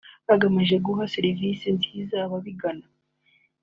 hagamijwe guha serivise nziza ababigana